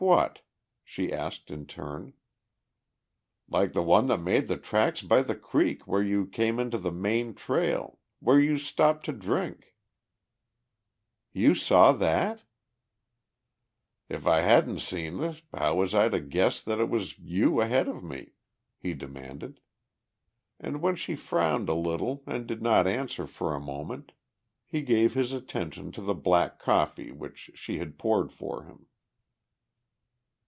"Like what?" she asked in turn. "Like the one that made the tracks by the creek where you came into the main trail, where you stopped to drink." "You saw that?" "If I hadn't seen it how was I to guess that it was you ahead of me?" he demanded. And when she frowned a little and did not answer for a moment he gave his attention to the black coffee which she had poured for him.